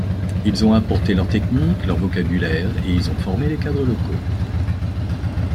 Ils ont apporté leur technique, leur vocabulaire et ils ont formé les cadres locaux.